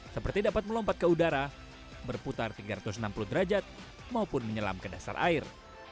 seperti dapat melompat ke udara berputar tiga ratus enam puluh derajat maupun menyelam ke dasar air